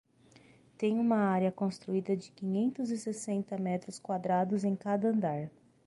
Tem uma área construída de quinhentos e sessenta metros quadrados em cada andar.